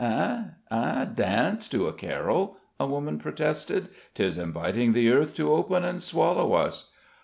"Eh eh? Dance to a carol?" a woman protested. "'Tis inviting the earth to open and swallow us."